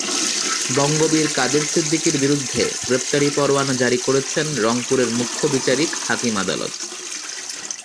বঙ্গবীর কাদের সিদ্দিকীর বিরুদ্ধে গ্রেপ্তারি পরোয়ানা জারি করেছেন রংপুরের মুখ্য বিচারিক হাকিম আদালত।